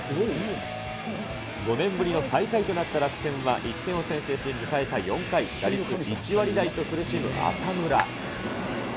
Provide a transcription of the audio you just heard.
５年ぶりの最下位となった楽天は１点を先制し、迎えた４回、打率１割台と苦しむ浅村。